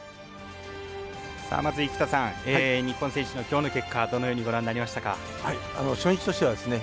まず生田さん日本選手の今日の結果はどのようにご覧になりましたか？初日としてはですね